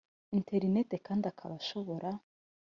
interineti kandi akaba ashobora